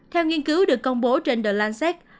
theo nghiên cứu được công bố trên the lancet